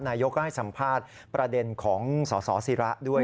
นายกก็ให้สัมภาษณ์ประเด็นของสสิระด้วย